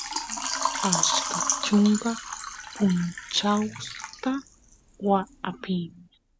ashkay chunka punchawsta waa apin